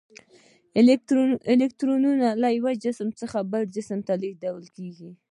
الکترونونه له یو جسم څخه بل جسم ته لیږدیږي.